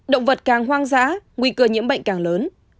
động vật càng hoang dã nguy cơ nhiễm bệnh càng lớn